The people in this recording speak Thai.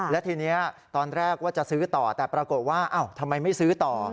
และทีนี้ตอนแรกว่าจะซื้อต่อแต่ปรากฏว่าทำไมไม่ซื้อต่อ